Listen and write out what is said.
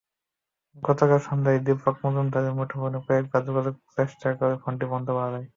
গতকাল সন্ধ্যায় দিপক মজুমদারের মুঠোফোনে কয়েকবার যোগাযোগের চেষ্টা করে ফোনটি বন্ধ পাওয়া যায়।